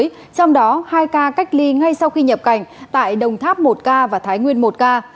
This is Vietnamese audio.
trong đó hai ca cách ly ngay sau khi nhập cảnh tại đồng tháp một ca và thái nguyên một ca